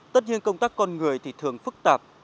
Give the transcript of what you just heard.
tất nhiên công tác con người thì thường phức tạp